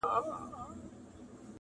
ما دفن کړه د دې کلي هدیره کي,